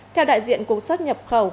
theo đại diện của xuất nhập khẩu